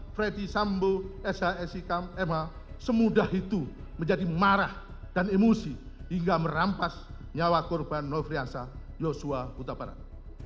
freddy sambu sh sik mh semudah itu menjadi marah dan emosi hingga merampas nyawa korban nofriansah yosua utabarat